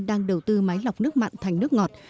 đang đầu tư máy lọc nước mặn thành nước ngọt